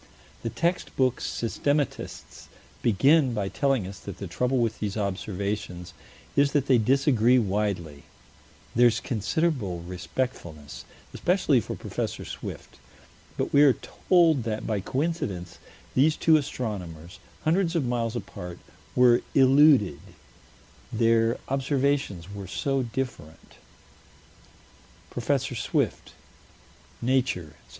The text book systematists begin by telling us that the trouble with these observations is that they disagree widely: there is considerable respectfulness, especially for Prof. Swift, but we are told that by coincidence these two astronomers, hundreds of miles apart, were illuded: their observations were so different Prof. Swift (Nature, Sept.